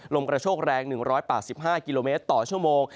ลมกระโชกแรง๑๘๕กิโลเมตรต่อชั่วโมง